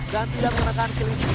dan tidak menggunakan killing spree